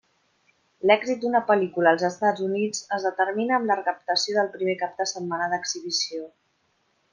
L'èxit d'una pel·lícula als Estats Units es determina amb la recaptació del primer cap de setmana d'exhibició.